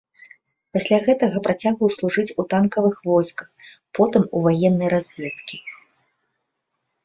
Пасля гэтага працягваў служыць у танкавых войсках, потым у ваеннай разведкі.